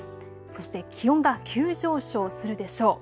そして気温が急上昇するでしょう。